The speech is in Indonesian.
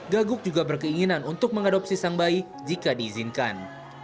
gaguk juga berkeinginan untuk mengadopsi sang bayi jika diizinkan